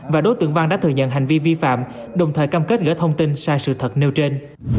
và đối tượng văn đã thừa nhận hành vi vi phạm đồng thời cam kết gỡ thông tin sai sự thật nêu trên